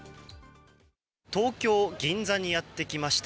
東京・銀座にやってきました。